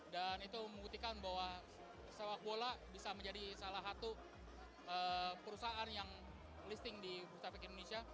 dan itu mengutikan bahwa sepak bola bisa menjadi salah satu perusahaan yang listing di bursa efek indonesia